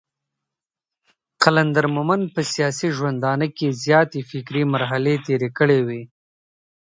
قلندر مومند په سياسي ژوندانه کې زياتې فکري مرحلې تېرې کړې وې.